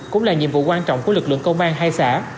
cũng là nhiệm vụ quan trọng của lực lượng công an hai xã